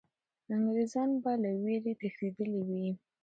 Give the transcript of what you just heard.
انګریزان به له ویرې تښتېدلي وي.